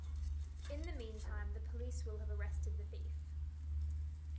In the meantime, the police will have arrested the thief.